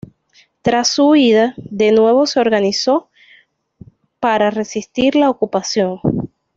Tras su huida, de nuevo se organizó para resistir la ocupación.